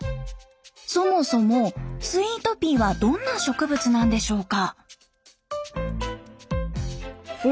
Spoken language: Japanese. そもそもスイートピーはどんな植物なんでしょうか？